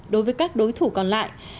đối với các đối thủ còn lại